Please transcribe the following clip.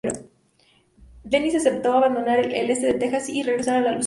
Denis aceptó abandonar el este de Texas y regresar a la Luisiana.